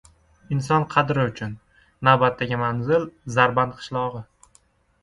“Inson qadri uchun!”: navbatdagi manzil – Zarband qishlog‘i